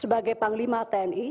sebagai panglima tni